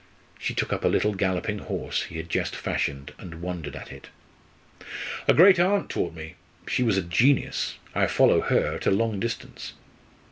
She took up a little galloping horse he had just fashioned and wondered at it. "A great aunt taught me she was a genius I follow her at a long distance.